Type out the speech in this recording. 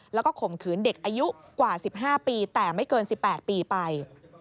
แล้วก็ข่มขืนเด็กอายุกว่า๑๕ปีแต่ไม่เกิน๑๘ปีไป